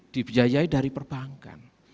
dibiayai dari perbankan